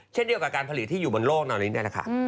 เช่นเดียวกับการผลิตที่อยู่บนโลกตอนนี้นี่แหละค่ะ